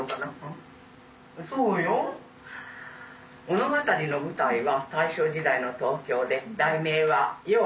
「物語の舞台は大正時代の東京で題名は『妖婆』」。